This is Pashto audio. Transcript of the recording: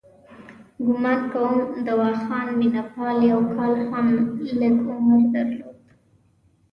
ګومان کوم دواخان مینه پال یو کال هم لږ عمر درلود.